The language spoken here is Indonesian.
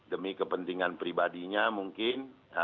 demi kepentingan pribadinya mungkin